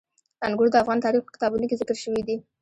انګور د افغان تاریخ په کتابونو کې ذکر شوي دي.